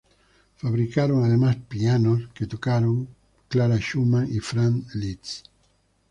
Fabricaron además pianos que tocaron Clara Schumann y Franz Liszt.